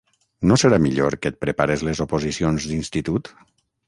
No serà millor que et prepares les oposicions d'institut?